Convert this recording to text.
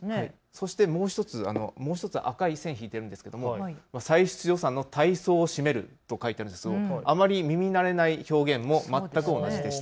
そしてもう１つ、赤い線を引いているんですが歳出予算の大宗を占めると書いている、あまり耳慣れない表現も全く同じでした。